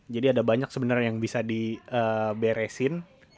jadi ada banyak sebenarnya yang bisa diberesin